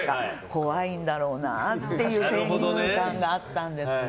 怖いんだろうなっていう先入観があったんですね。